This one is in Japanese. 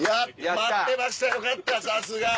待ってましたよかったさすが！